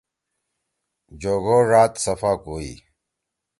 جوگو ڙاد صفا کوئی۔